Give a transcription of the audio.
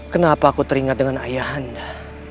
kenapa aku teringat dengan ayah anda